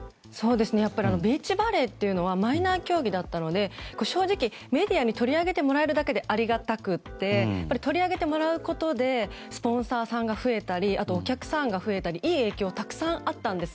ビーチバレーというのはマイナー競技だったので正直メディアに取り上げてもらえるだけでありがたくって取り上げてもらうことでスポンサーさんが増えたりあとはお客さんが増えたりといい影響がたくさんあったんです。